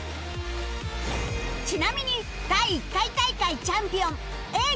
ちなみに第１回大会チャンピオン Ａ ぇ！